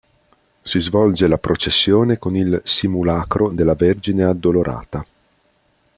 Si svolge la processione con il simulacro della Vergine Addolorata.